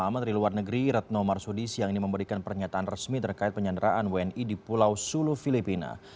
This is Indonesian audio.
menteri luar negeri retno marsudi siang ini memberikan pernyataan resmi terkait penyanderaan wni di pulau sulu filipina